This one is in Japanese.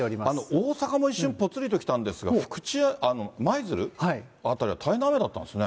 大阪も一瞬、ぽつりと来たんですが、舞鶴辺りは大変な雨だったんですね。